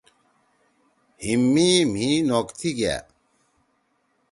ہیِم می مھی نوکتی گأ۔